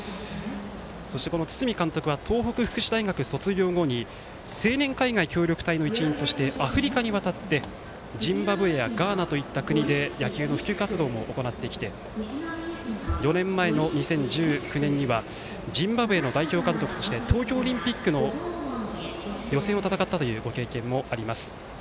そして、堤監督は東北福祉大学卒業後に青年海外協力隊の一員としてアフリカに渡ってジンバブエやガーナといった国で野球の普及活動も行ってきて４年前の２０１９年にはジンバブエの代表監督として東京オリンピックの予選を戦ったご経験もあります。